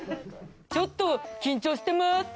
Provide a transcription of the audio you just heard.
ちょっと緊張してます。